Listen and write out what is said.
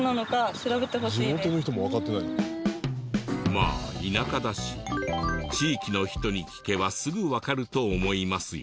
まあ田舎だし地域の人に聞けばすぐわかると思いますよね。